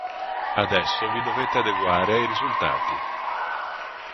Adesso vi dovete adeguare ai risultati!".